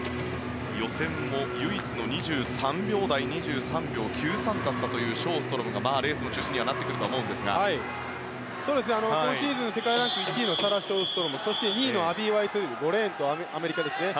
予選も唯一の２３秒台２３秒９３だったというショーストロムがレースの中心にはなってくると思うんですが今シーズン世界ランク１位のサラ・ショーストロム２位のアビー・ワイツェル５レーン、アメリカですね。